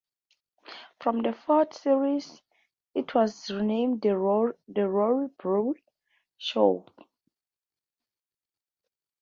From the fourth series it was renamed "The Rory Bremner Show".